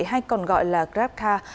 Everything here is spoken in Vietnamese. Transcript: hay còn gọi là grabcar